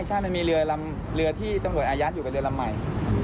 ใช่มันมีเรือที่ตรงโดยอาญาตรอยู่กับเรือลำใหม่